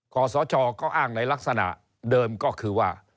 ขอสชก็อ้างในลักษณะเดิมก็คือว่า